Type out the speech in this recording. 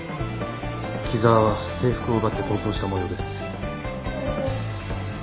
「木沢は制服を奪って逃走した模様です」